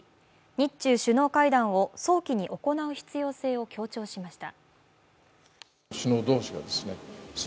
日中首脳会談を早期に行う必要性を強調しました。